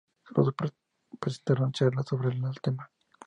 Los dos presentaron charlas sobre el tema.